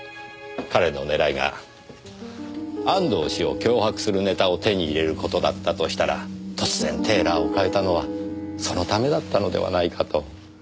彼の狙いが安藤氏を脅迫するネタを手に入れる事だったとしたら突然テーラーを変えたのはそのためだったのではないかと。